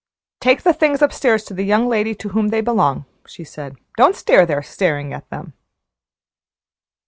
"Take the things upstairs to the young lady to whom they belong," she said. "Don't stand there staring at them."